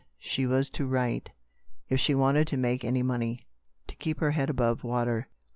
she was to write — if she wanted to make any money to keep her head above water.